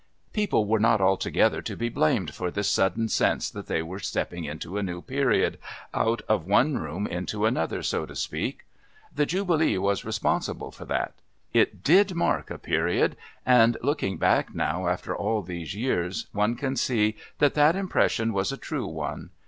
People were not altogether to be blamed for this sudden sense that they were stepping into a new period, out of one room into another, so to speak. The Jubilee was responsible for that. It did mark a period, and looking back now after all these years one can see that that impression was a true one.